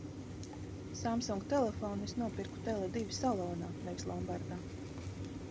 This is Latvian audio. Samsung telefonu es nopirku "Tele divi" salonā nevis lombardā.